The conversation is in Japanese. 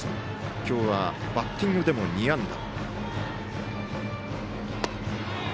今日はバッティングでも２安打。